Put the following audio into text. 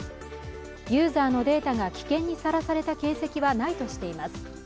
ユーザーのデータが危険にさらされた形跡はないとしています。